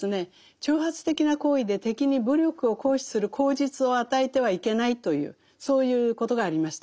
挑発的な行為で敵に武力を行使する口実を与えてはいけないというそういうことがありました。